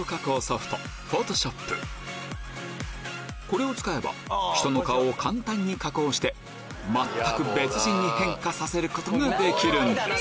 これを使えば人の顔を簡単に加工して全く別人に変化させることができるんです